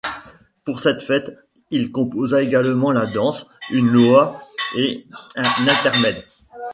Pour cette fête il composa également la danse, une loa et un intermède.